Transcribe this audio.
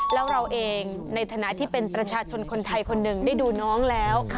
แล้วเราเองในฐานะที่เป็นประชาชนคนไทยคนหนึ่งได้ดูน้องแล้ว